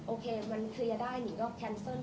โอเคมันเคลียร์ได้หนิงก็แคนเซิล